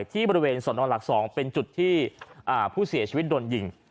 ที่บริเวณสนหลัก๒เป็นจุดที่ผู้เสียชีวิตโดนยิง